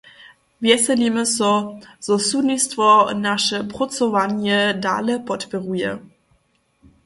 Wjeselimy so, zo sudnistwo naše prócowanja dale podpěruje.